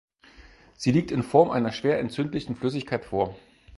Sie liegt in Form einer schwer entzündlichen Flüssigkeit vor.